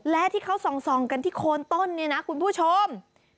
และที่เขาส่องกันที่โคนต้นเนี่ยนะคุณผู้ชม